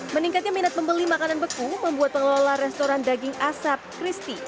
meningkatnya minat membeli makanan beku membuat pengelola restoran daging asap christi